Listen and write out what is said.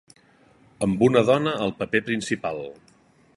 Amb una dona al paper principal.